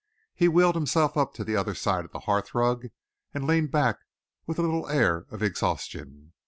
He wheeled himself up to the other side of the hearthrug and leaned back with a little air of exhaustion.